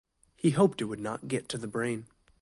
He hoped it would not get to the brain.